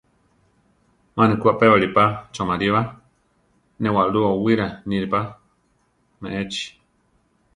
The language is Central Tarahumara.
Má ne ku apébali pa choʼmarí ba; né waʼlú owíra níre pa me échi.